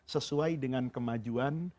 sesuai dengan kemajuan